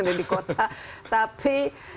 dan di kota tapi